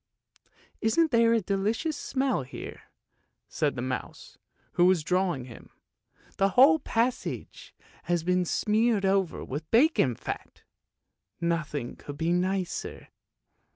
" Isn't there a delicious smell here? " said the mouse who was drawing him; " the whole passage has been smeared over with bacon fat! Nothing could be nicer."